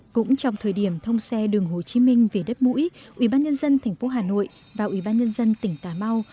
cũng trong thời điểm thông xe đường hồ chí minh về đất mũi ủy ban nhân dân tp hà nội và ủy ban nhân dân tỉnh cà mau